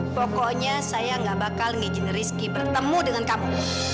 pokoknya saya gak bakal ngijine rizky bertemu dengan kamu